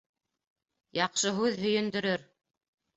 Яҡшы һүҙ һөйөндөрөр